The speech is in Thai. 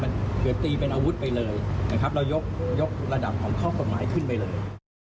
มันเหมือนตีเป็นอาวุธไปเลยนะครับเรายกระดับของข้อกฎหมายขึ้นไปเลย